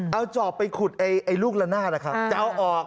เอาจอบไปขุดลูกละนาดนะครับจะเอาออก